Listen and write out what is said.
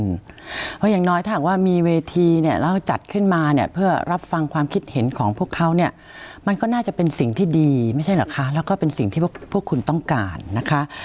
เพราะอย่างน้อยถ้าหากว่ามีเวทีเนี่ยแล้วจัดขึ้นมาเนี่ยเพื่อรับฟังความคิดเห็นของพวกเขาเนี่ยมันก็น่าจะเป็นสิ่งที่ดีไม่ใช่เหรอคะแล้วก็เป็นสิ่งที่พวกคุณต้องการนะคะ